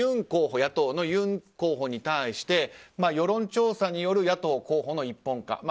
野党のユン候補に対して世論調査による野党候補の一本化。